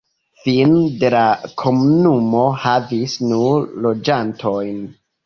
Fine de la komunumo havis nur loĝantojn.